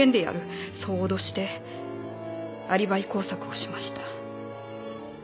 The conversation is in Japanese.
そう脅してアリバイ工作をしました」